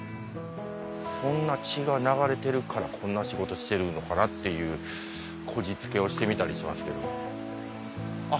そんな血が流れてるからこんな仕事してるのかなっていうこじつけをしてみたりしますけど。